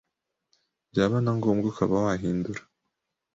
byaba na ngombwa ukaba wahindura.